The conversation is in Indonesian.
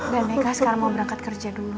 dan mereka sekarang mau berangkat kerja dulu